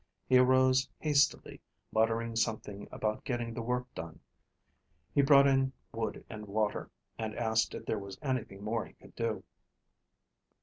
He arose hastily, muttering something about getting the work done. He brought in wood and water, and asked if there was anything more he could do.